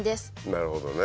なるほどね。